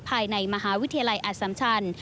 ภายในมหาวิทยาลัยอสัมชัน